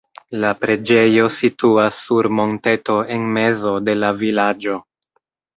La preĝejo situas sur monteto en mezo de la vilaĝo.